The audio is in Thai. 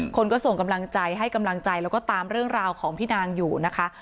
คนก็ส่งกำลังใจให้กำลังใจแล้วก็ตามเรื่องราวของพี่นางอยู่นะคะ